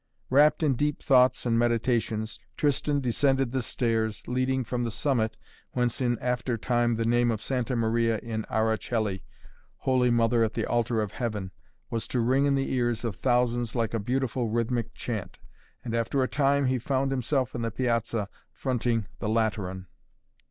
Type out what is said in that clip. Wrapt in deep thoughts and meditations, Tristan descended the stairs leading from the summit whence in after time the name of Santa Maria in Ara Coeli Holy Mother at the Altar of Heaven was to ring in the ears of thousands like a beautiful rhythmic chant, and after a time he found himself in the Piazza fronting the Lateran.